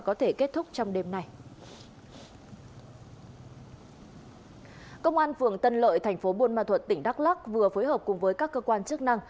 công an phường tân lợi thành phố buôn ma thuật tỉnh đắk lắc vừa phối hợp cùng với các cơ quan chức năng